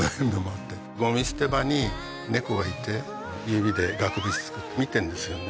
ゴミ捨て場に猫がいて指で額縁作って見てるんですよね。